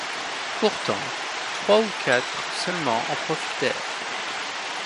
Pourtant, trois ou quatre seulement en profitèrent.